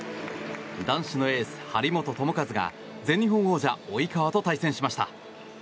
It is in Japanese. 男子のエース張本智和が全日本王者及川と対戦しました。